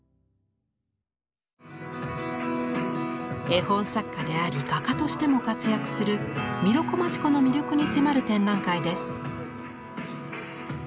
絵本作家であり画家としても活躍するミロコマチコの魅力に迫る展覧会です。